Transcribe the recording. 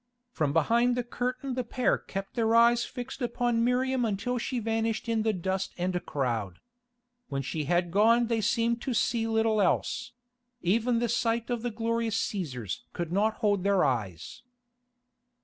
From behind the curtain the pair kept their eyes fixed upon Miriam until she vanished in the dust and crowd. When she had gone they seemed to see little else; even the sight of the glorious Cæsars could not hold their eyes.